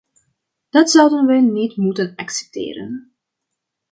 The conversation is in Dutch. Dat zouden wij niet moeten accepteren.